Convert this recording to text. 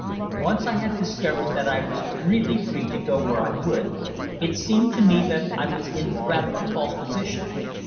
Once I had discovered that I was really free to go where I would, it seemed to me that I was in rather a false position.